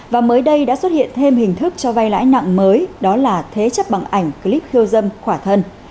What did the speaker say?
và mới đây đã xuất hiện thêm hình thức cho vay lãi nặng mới đó là thế chấp bằng ảnh clip khiêu dâm khỏa thân